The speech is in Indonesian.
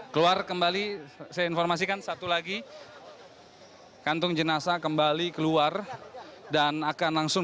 keluar kembali saya informasikan satu lagi kantung jenazah kembali keluar dan akan langsung